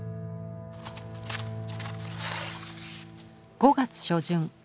５月初旬。